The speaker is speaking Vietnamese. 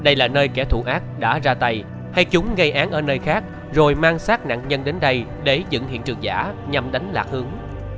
đây là nơi kẻ thù ác đã ra tay hay chúng gây án ở nơi khác rồi mang sát nạn nhân đến đây để dựng hiện trường giả nhằm đánh lạc hướng